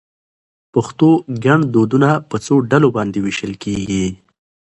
پښتو ګړدودونه په څو ډلو باندي ويشل کېږي؟